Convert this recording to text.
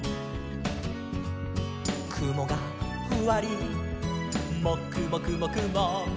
「くもがふわりもくもくもくも」